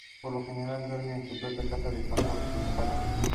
Hoy la Iglesia católica lo considera un antipapa.